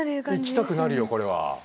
行きたくなるよこれは。